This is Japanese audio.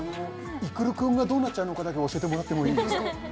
育君がどうなっちゃうのかだけ教えてもらってもいいですか？